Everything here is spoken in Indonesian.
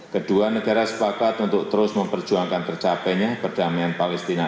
kedua negara sepakat untuk terus memperjuangkan tercapainya perdamaian palestina